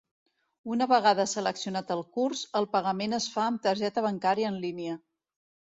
Una vegada seleccionat el curs, el pagament es fa amb targeta bancària en línia.